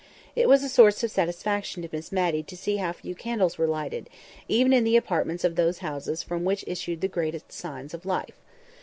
It was a source of satisfaction to Miss Matty to see how few candles were lighted, even in the apartments of those houses from which issued the greatest signs of life.